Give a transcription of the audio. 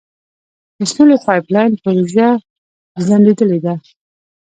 د سولې پایپ لاین پروژه ځنډیدلې ده.